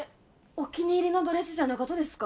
お気に入りのドレスじゃなかとですか？